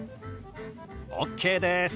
ＯＫです！